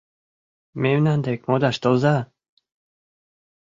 — Мемнан дек модаш толза!